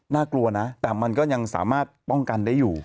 น่ากลัวนะแต่มันก็ยังสามารถป้องกันได้อยู่